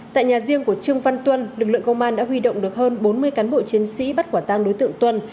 tại nhà riêng của trương văn tuân lực lượng công an đã huy động được hơn bốn mươi cán bộ chiến sĩ bắt quả tăng đối tượng tuân